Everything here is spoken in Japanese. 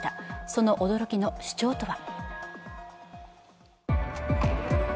その驚きの主張とは。